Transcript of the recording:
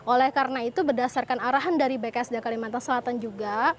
oleh karena itu berdasarkan arahan dari bksda kalimantan selatan juga